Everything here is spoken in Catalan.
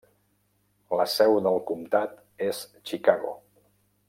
La seu del comtat és Chicago.